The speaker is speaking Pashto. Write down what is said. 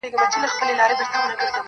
د تعلیم پر ضد ښکنځل او پوچ ویل وه -